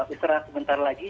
istirahat sebentar lagi